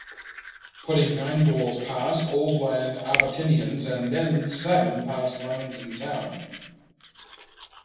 Putting nine goals past Oldland Abbotonians and then seven past Lymington Town.